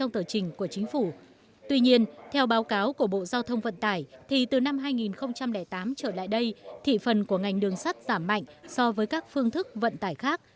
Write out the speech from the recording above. tuy nhiên theo báo cáo của bộ giao thông vận tải thì từ năm hai nghìn tám trở lại đây thị phần của ngành đường sắt giảm mạnh so với các phương thức vận tải khác